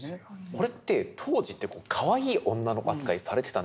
これって当時ってかわいい女の子扱いされてたんですか？